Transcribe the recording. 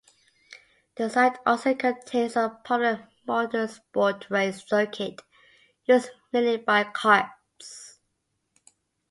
The site also contains a popular motorsport race circuit, used mainly by karts.